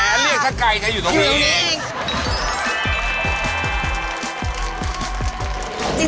แหมเรียกถ้าไก่จะอยู่ตรงนี้